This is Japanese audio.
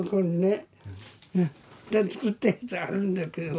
歌作ったやつがあるんだけど。